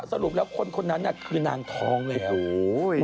สรุปแล้วคนคนนั้นน่ะคือนางท้องแล้ว